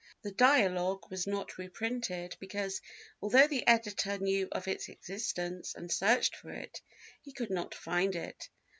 The Dialogue was not reprinted because, although the editor knew of its existence and searched for it, he could not find it.